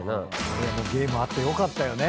ゲームあってよかったよね。